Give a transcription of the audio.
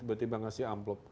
berarti mbak ngasih amplop